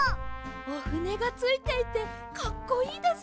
おふねがついていてかっこいいです。